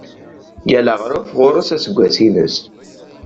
Yal aɣref ɣur-s aseggas-ines.